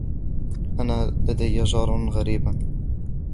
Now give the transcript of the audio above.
أنا لدي جاراً غريباً.